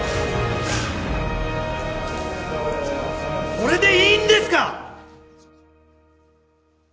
これでいいんですか？